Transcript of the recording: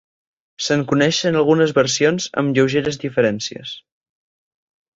Se'n coneixen algunes versions amb lleugeres diferències.